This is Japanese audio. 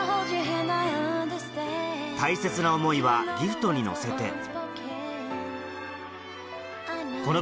大切な思いはギフトに乗せて